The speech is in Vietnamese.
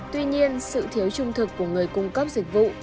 tuy nhiên sự thiếu trung thực của người cung cấp dịch vụ